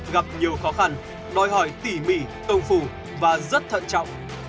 gặp nhiều khó khăn đòi hỏi tỉ mỉ công phu và rất thận trọng